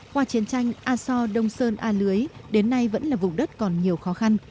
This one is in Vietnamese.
qua chiến tranh aso đông sơn a lưới đến nay vẫn là vùng đất còn nhiều khó khăn